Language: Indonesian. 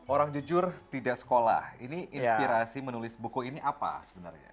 orang jujur tidak sekolah ini inspirasi menulis buku ini apa sebenarnya